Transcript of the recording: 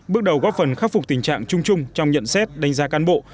bước đầu góp phần khắc phục tình trạng chung chung trong nhận xét đánh giá cán bộ